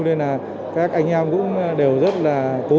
nên là các anh em cũng đều rất là cố gắng